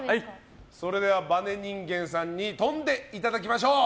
それではバネ人間さんに跳んでいただきましょう。